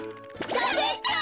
しゃべった！